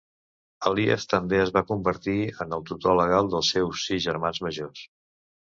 Elias també es va convertir en el tutor legal dels seus sis germans majors.